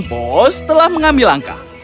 bos telah mengambil langkah